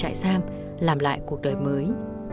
trại giam làm lại cuộc đời mới